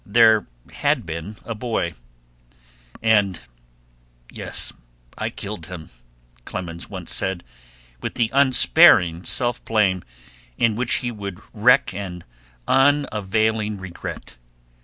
There had been a boy, and "Yes, I killed him," Clemens once said, with the unsparing self blame in which he would wreak an unavailing regret.